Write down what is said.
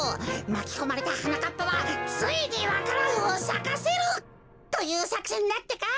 まきこまれたはなかっぱはついにわか蘭をさかせる！」というさくせんだってか。